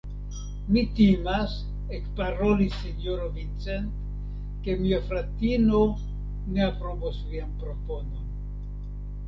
Mi timas, ekparolis sinjoro Vincent, ke mia fratino ne aprobos vian proponon.